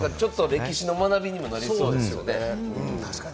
歴史の学びにもなりそうですよね。